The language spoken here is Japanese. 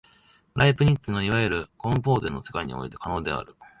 ライプニッツのいわゆるコムポーゼの世界において可能である。